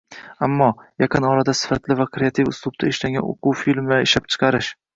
Ammo, yaqin orada sifatli va kreativ uslubda ishlangan o‘quv filmlari ishlab chiqarish